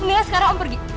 mendingan sekarang om pergi